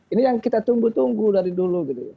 ini yang kita tunggu tunggu dari dulu gitu